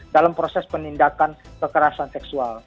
dalam proses penindakan kekerasan seksual